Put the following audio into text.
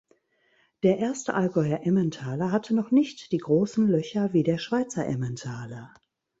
Der erste Allgäuer Emmentaler hatte noch nicht die großen Löcher wie der Schweizer Emmentaler.